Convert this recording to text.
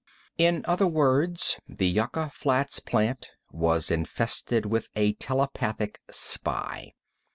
In other words, the Yucca Flats plant was infested with a telepathic spy.